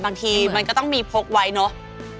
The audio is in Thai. บางทีมันก็ต้องมีพกไว้เนอะ